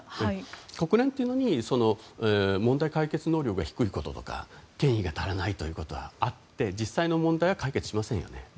国連というのに問題解決能力が低いこととか権威が足らないということはあって、実際の問題は解決しませんよね。